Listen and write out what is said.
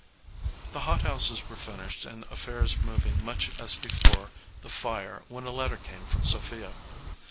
The hothouses were finished and affairs moving much as before the fire when a letter came from Sophia.